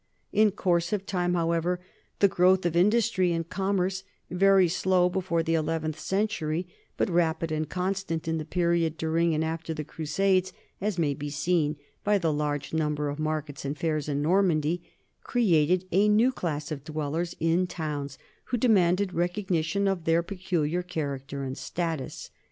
In course of time, however, the growth of industry and commerce, very slow before the eleventh century, but rapid and constant in the period during and after the Crusades, as may be seen by the large number of markets and fairs in Normandy, created a new class of dwellers in towns who demanded recogni tion of their peculiar character and status.